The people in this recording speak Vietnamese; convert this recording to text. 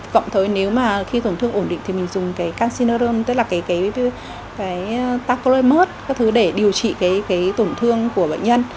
cộng tới nếu mà khi tổn thương ổn định thì mình dùng cái canxinodone tức là cái tacloid mode các thứ để điều trị cái tổn thương của bệnh nhân